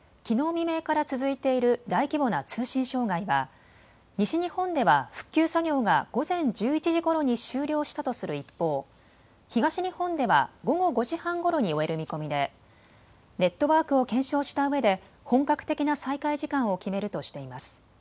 未明から続いている大規模な通信障害は西日本では復旧作業が午前１１時ごろに終了したとする一方、東日本では午後５時半ごろに終える見込みでネットワークを検証したうえで本格的な再開時間を決めるとしています。